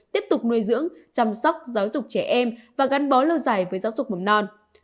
tiếp tục nuôi dưỡng chăm sóc giáo dục trẻ em và gắn bó lâu dài với giáo dục mầm non